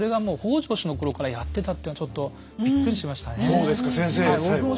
そうですか先生さえも。